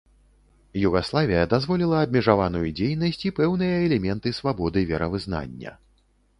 Югаславія дазволіла абмежаваную дзейнасць і пэўныя элементы свабоды веравызнання.